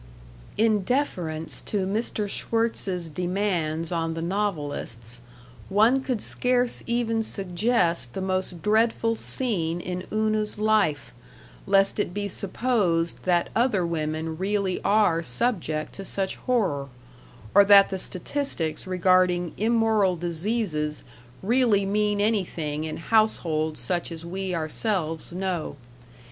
In deference to Mr. Schwirtz's demands on the novelists, one could scarce even suggest the most dreadful scene in Una's life, lest it be supposed that other women really are subject to such horror, or that the statistics regarding immoral diseases really mean anything in households such as we ourselves know....